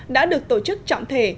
đã được tổ chức trọng thể